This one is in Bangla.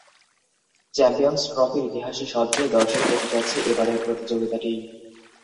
চ্যাম্পিয়নস ট্রফির ইতিহাসে সবচেয়ে দর্শক পেতে যাচ্ছে এবারের প্রতিযোগিতাটিই।